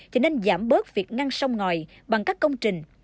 thì nên giảm bớt việc ngăn sông ngòi bằng các công trình